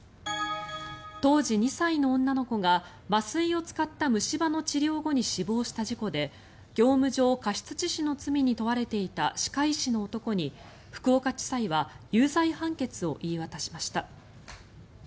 当時２歳の女の子が麻酔を使った虫歯の治療後に死亡した事故で業務上過失致死の罪に問われていた歯科医師の男に福岡地裁は有罪判決を言い渡しました。